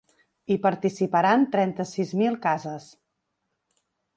Hi participaran trenta-sis mil cases.